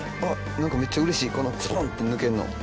何かめっちゃうれしいこのスポンって抜けるの。